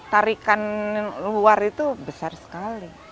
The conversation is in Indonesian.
tarikan luar itu besar sekali